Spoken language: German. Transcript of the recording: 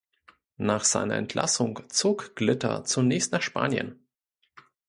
Nach seiner Entlassung zog Glitter zunächst nach Spanien.